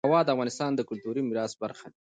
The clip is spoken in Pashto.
هوا د افغانستان د کلتوري میراث برخه ده.